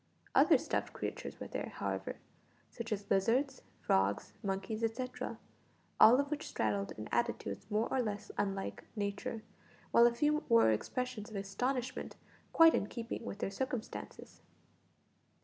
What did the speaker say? Other stuffed creatures were there, however, such as lizards, frogs, monkeys, etcetera, all of which straddled in attitudes more or less unlike nature, while a few wore expressions of astonishment quite in keeping with their circumstances.